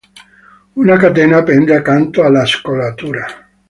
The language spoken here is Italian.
Una catena pende accanto alla scollatura.